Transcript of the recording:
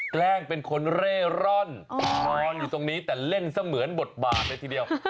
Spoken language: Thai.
แกล้งเป็นคนเร่ร่อนนอนอยู่ตรงนี้แต่เล่นเสมือนบทบาทเลยทีเดียว